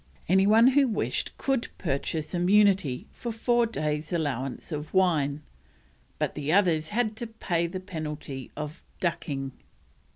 Any one who wished could purchase immunity for four days' allowance of wine, but the others had to pay the penalty of ducking.